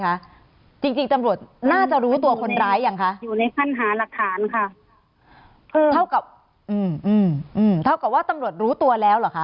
ขั้นหาตัวคนร้ายค่ะจริงจริงตำรวจน่าจะรู้ตัวคนร้ายอย่างค่ะอยู่ในขั้นหารักฐานค่ะเท่ากับเท่ากับว่าตำรวจรู้ตัวแล้วเหรอค่ะ